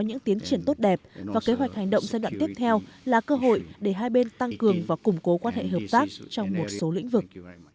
những tiến triển tốt đẹp và kế hoạch hành động giai đoạn tiếp theo là cơ hội để hai bên tăng cường và củng cố quan hệ hợp tác trong một số lĩnh vực